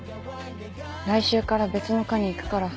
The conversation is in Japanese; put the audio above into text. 来週から別の科に行くから。